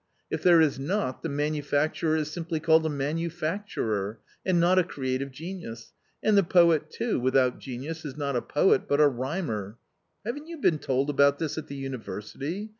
If there is not, the manufacturer is simply called a manufacturer, and not a creative genius, and the poet too without genius is not a poet, but a rhymer .... Haven't you been told about this at the university?